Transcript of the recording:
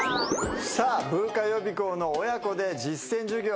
さあブーカ予備校の親子で実践授業